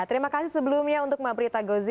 terima kasih sebelumnya untuk mbak prita gozi